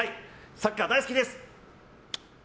サッカー大好きです！